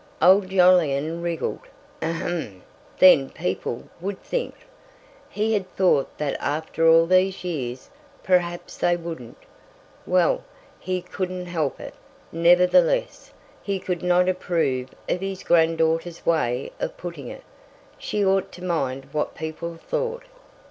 Old Jolyon wriggled. H'm! then people would think! He had thought that after all these years perhaps they wouldn't! Well, he couldn't help it! Nevertheless, he could not approve of his granddaughter's way of putting it—she ought to mind what people thought!